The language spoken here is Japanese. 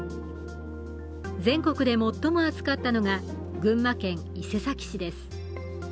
全国で最も熱かったのが群馬県伊勢崎市です。